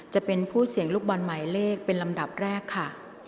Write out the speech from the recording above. จะเป็นผู้เสี่ยงลูกบอลหมายเลขเป็นลำดับแรกค่ะ